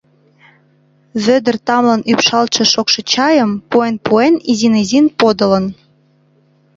Вӧдыр тамлын ӱпшалтше шокшо чайым, пуэн-пуэн, изин-изин подылын.